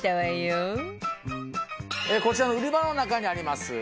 こちらの売り場の中にあります